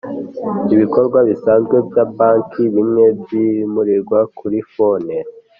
Ibikorwa bisanzwe bya banki bimwe byimuriwe kuri Phone